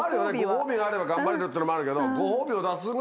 ご褒美があれば頑張れるっていうのもあるけど。